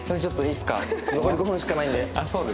残り５分しかないんで。